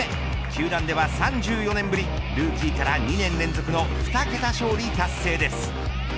球団では３４年ぶりルーキーから２年連続の２桁勝利達成です。